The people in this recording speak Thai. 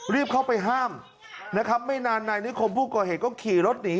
รีบเข้าไปห้ามนะครับไม่นานนายนิคมผู้ก่อเหตุก็ขี่รถหนี